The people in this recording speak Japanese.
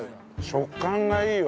食感がいいよ